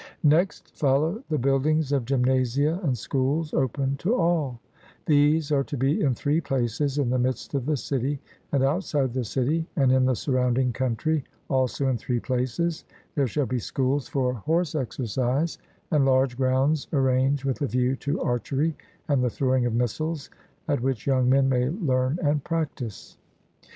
Next follow the buildings for gymnasia and schools open to all; these are to be in three places in the midst of the city; and outside the city and in the surrounding country, also in three places, there shall be schools for horse exercise, and large grounds arranged with a view to archery and the throwing of missiles, at which young men may learn and practise.